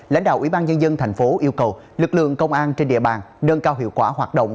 lãnh đạo ủy ban nhân dân thành phố yêu cầu lực lượng công an trên địa bàn nâng cao hiệu quả hoạt động